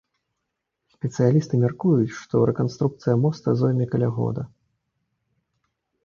Спецыялісты мяркуюць, што рэканструкцыя моста зойме каля года.